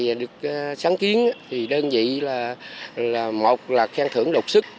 khi mà được sáng kiến thì đơn vị là một là khen thưởng độc sức